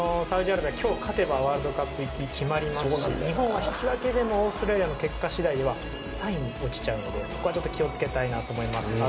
サウジアラビアは今日、勝てばワールドカップ行き決まりますし日本は引き分けでもオーストラリアの結果次第では３位に落ちちゃうのでそこは気を付けたいなと思います。